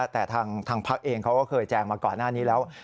แต่ทางพักเองเขาก็เคยแจงมาก่อนหน้านี้แล้ว